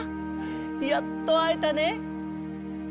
やっとあえたね！